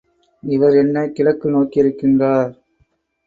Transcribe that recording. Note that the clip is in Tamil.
இவர் என்ன கிழக்கு நோக்கியிருக்கின்றா?